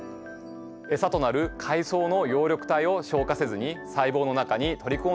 エサとなる海藻の葉緑体を消化せずに細胞の中に取り込んでしまうんです。